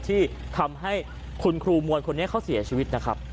ที่ทำให้คุณครูมวยคนนี้เขาเสียชีวิตนะครับ